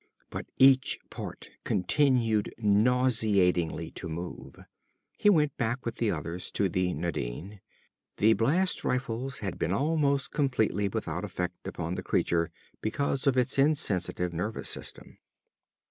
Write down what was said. But each part continued nauseatingly to move. He went back with the others to the Nadine. The blast rifles had been almost completely without effect upon the creature because of its insensitive nervous system.